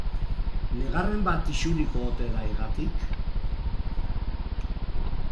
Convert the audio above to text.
Negarren bat isuriko ote da higatik?